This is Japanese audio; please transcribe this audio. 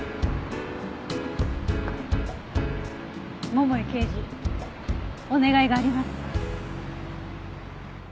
桃井刑事お願いがあります。